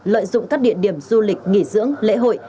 lợi dụng các địa điểm du lịch nghỉ dưỡng lễ hội